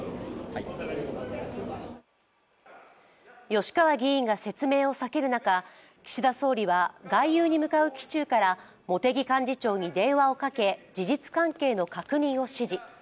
吉川議員が説明を避ける中、岸田総理は外遊に向かう機中から茂木幹事長に電話をかけ事実関係の確認を指示。